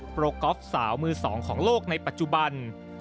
รอกอล์ฟสาวมือสองของโลกในปัจจุบัน